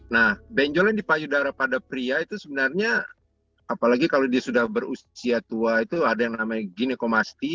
nah benjolan di payudara pada pria itu sebenarnya apalagi kalau dia sudah berusia tua itu ada yang namanya ginekomasti